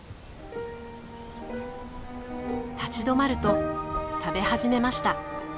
立ち止まると食べ始めました。